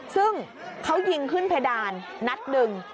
ซึ่งเขายิงขึ้นเพดานนัดหนึ่ง